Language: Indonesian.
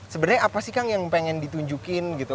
sebenarnya apa sih kang yang pengen ditunjukin gitu